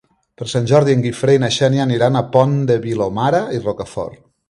Per Sant Jordi en Guifré i na Xènia aniran al Pont de Vilomara i Rocafort.